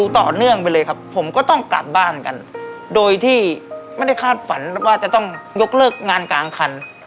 ต่อเนื่องไปเลยครับผมก็ต้องกลับบ้านกันโดยที่ไม่ได้คาดฝันว่าจะต้องยกเลิกงานกลางคัน